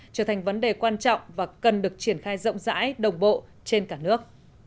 trở thành vấn đề quan trọng và cần được triển khai rộng rãi đồng bộ trên cả nước